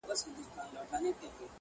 زولنې یې شرنګولې د زندان استازی راغی.!